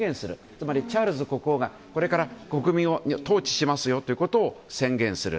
つまりチャールズ国王がこれから国民を統治しますよと宣言する。